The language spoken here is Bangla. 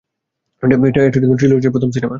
এটা ট্রিলজির প্রথম সিনেমা।